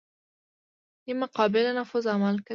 نیمه قابل نفوذ عمل کوي.